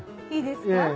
いいですか？